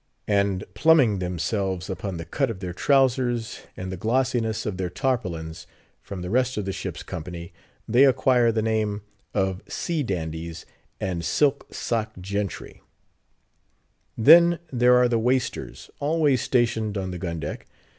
And pluming themselves upon the cut of their trowsers, and the glossiness of their tarpaulins, from the rest of the ship's company, they acquire the name of "sea dandies" and "silk sock gentry." Then, there are the Waisters, always stationed on the gun deck.